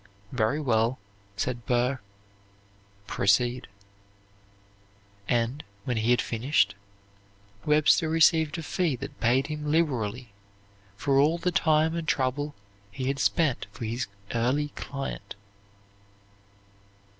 "Very well," said Burr, "proceed"; and, when he had finished, Webster received a fee that paid him liberally for all the time and trouble he had spent for his early client.